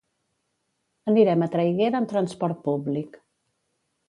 Anirem a Traiguera amb transport públic.